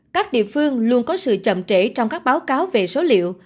các địa phương luôn có sự chậm trễ trong các báo cáo về số liệu